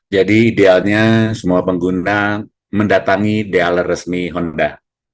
jadi idealnya semua pengguna mendatangi di alat resmi honda